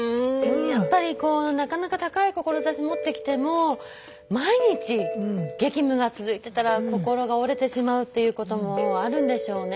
やっぱりこうなかなか高い志持ってきても毎日激務が続いてたら心が折れてしまうっていうこともあるんでしょうね。